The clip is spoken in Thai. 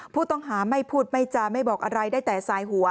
ผู้ต้องหาไม่พูดไม่จาไม่บอกอะไรได้แต่สายหัว